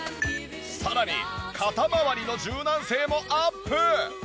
さらに肩まわりの柔軟性もアップ！